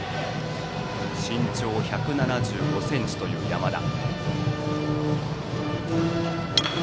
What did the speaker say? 身長１７５ｃｍという山田。